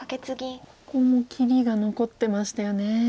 ここも切りが残ってましたよね。